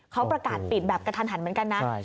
เขาประกาศปิดแบบทันเหมือนกันนะ